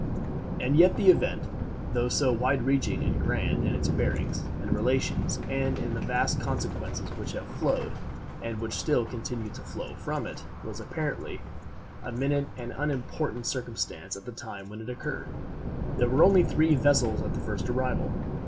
And yet the event, though so wide reaching and grand in its bearings and relations, and in the vast consequences which have flowed and which still continue to flow from it, was apparently a minute and unimportant circumstance at the time when it occurred. There were only three vessels at the first arrival.